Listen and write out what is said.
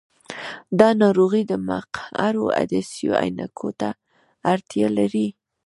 دا ناروغي د مقعرو عدسیو عینکو ته اړتیا لري.